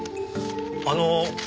あの。